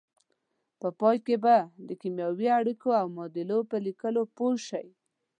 په پای کې به د کیمیاوي اړیکو او معادلو په لیکلو پوه شئ.